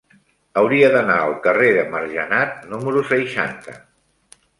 Hauria d'anar al carrer de Margenat número seixanta.